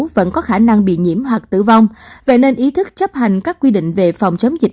vẫn có khả năng bị nhiễm hoặc tử vong vậy nên ý thức chấp hành các quy định về phòng chống dịch